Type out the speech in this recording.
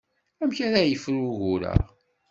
Amek ara yefru ugur-a?